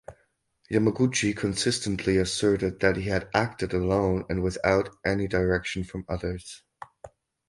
Yamaguchi consistently asserted that he had acted alone and without any direction from others.